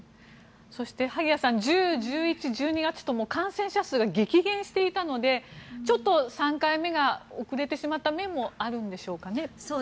そして、萩谷さん１０、１１、１２月と感染者数が激減していたのでちょっと３回目が遅れてしまった面もあるんでしょうかね。